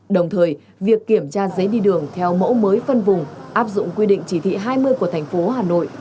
đồng thời việc kiểm tra giấy đi đường theo mẫu mới phân vùng áp dụng quy định chỉ thị hai mươi của thành phố hà nội